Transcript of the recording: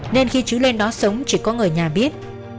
nên khi chứ lên đó sống chỉ có người nhà biết